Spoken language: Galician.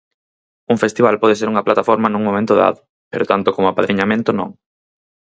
Un festival pode ser unha plataforma nun momento dado, pero tanto como apadriñamento non.